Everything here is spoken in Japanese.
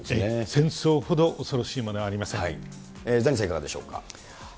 戦争ほど恐ろしいものはありザニーさん、いかがでしょう